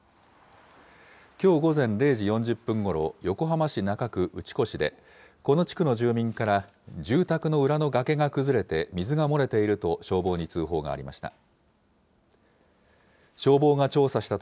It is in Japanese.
きょう午前０時４０分ごろ、横浜市中区打越で、この地区の住民から、住宅の裏のがけが崩れて、水が漏れていると消防に通報がありました。